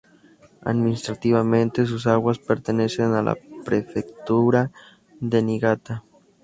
Administrativamente, sus aguas pertenecen a la prefectura de Niigata.